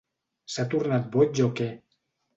S'ha tornat boig o què?